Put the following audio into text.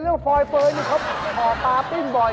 เรื่องฟอยเฟิร์นเขาห่อปลาปิ้นบ่อย